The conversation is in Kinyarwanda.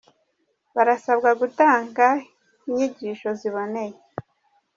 Barasabwa gutanga inyigisho ziboneye